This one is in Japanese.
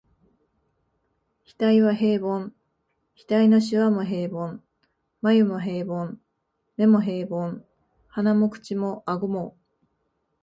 額は平凡、額の皺も平凡、眉も平凡、眼も平凡、鼻も口も顎も、